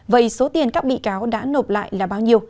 vậy số tiền các bị cáo đã nộp lại là bao nhiêu